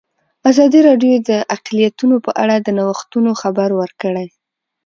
ازادي راډیو د اقلیتونه په اړه د نوښتونو خبر ورکړی.